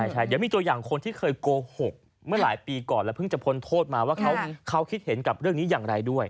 ใช่เดี๋ยวมีตัวอย่างคนที่เคยโกหกเมื่อหลายปีก่อนแล้วเพิ่งจะพ้นโทษมาว่าเขาคิดเห็นกับเรื่องนี้อย่างไรด้วย